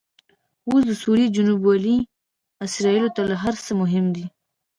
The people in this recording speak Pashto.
اوس دسوریې جنوب ولې اسرایلو ته له هرڅه مهم دي؟